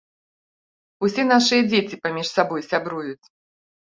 Усе нашыя дзеці паміж сабой сябруюць.